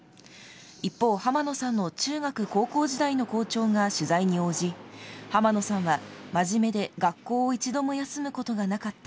一方、濱野さんの中学、高校時代の校長が取材に応じ濱野さんは真面目で学校を休むことはなかった。